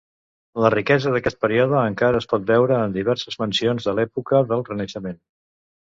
La riquesa d’aquest període encara es pot veure en diverses mansions de l'època del Renaixement.